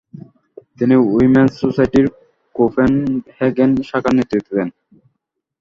তিনি উইমেন্স সোসাইটির কোপেনহেগেন শাখার নেতৃত্ব দেন।